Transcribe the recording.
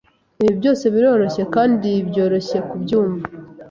Ibi byose biroroshye kandi byoroshye kubyumva.